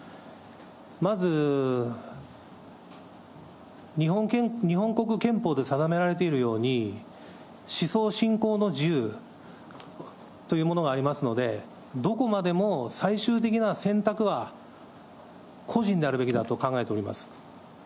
まず、日本国憲法で定められているように、思想信仰の自由というものがありますので、どこまでも最終的な選択は個人であるべきだと考えております。